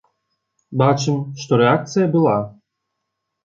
Бачым, што рэакцыя была.